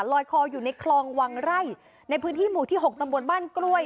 ลอยคออยู่ในคลองวังไร่ในพื้นที่หมู่ที่๖ตำบลบ้านกล้วย